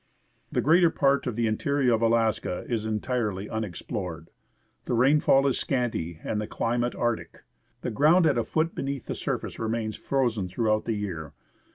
The greater part of the interior of Alaska is entirely unex plored. The rainfall is scanty, and the climate arctic. The ground at a foot beneath the surface remains frozen throughout the year.